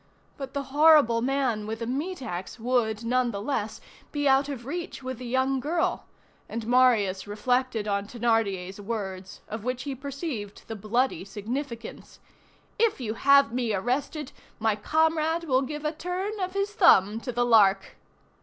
But the horrible man with the meat axe would, nonetheless, be out of reach with the young girl, and Marius reflected on Thénardier's words, of which he perceived the bloody significance: "If you have me arrested, my comrade will give a turn of his thumb to the Lark."